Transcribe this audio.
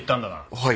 はい。